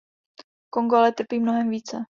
Kongo ale trpí mnohem více.